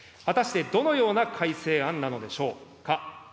果たしてどのような改正案なのでしょうか。